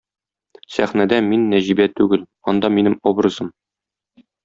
Сәхнәдә мин Нәҗибә түгел, анда минем образым.